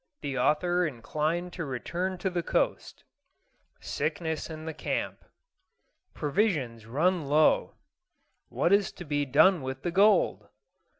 The Author inclined to return to the coast Sickness in the camp Provisions run low What is to be done with the gold?